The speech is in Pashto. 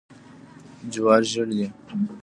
جوار ژیړ دي.